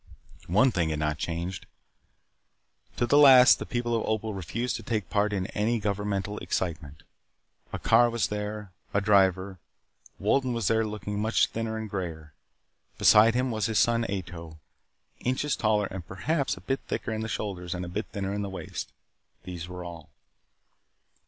One thing had not changed. To the last the people of Opal refused to take part in any governmental excitement. A car was there. A driver. Wolden was there looking much thinner and grayer. Beside him was his son, Ato, inches taller and perhaps a bit thicker in the shoulders and a bit thinner at the waist. These were all.